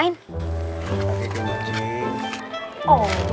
lagi kena cing